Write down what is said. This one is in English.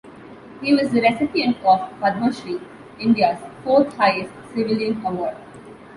He was the recipient of Padma Shri, India's fourth highest civilian award.